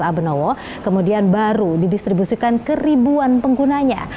ltsa benowo kemudian baru didistribusikan ke ribuan penggunanya